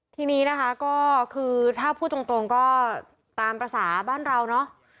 ทีนี้นะคะก็คือถ้าพูดตรงก็ตามภาษาบ้านเราเนาะ